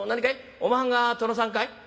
おまはんが殿さんかい？」。